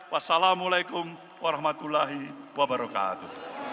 wassalamu'alaikum warahmatullahi wabarakatuh